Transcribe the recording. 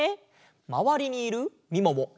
まわりにいるみももやころ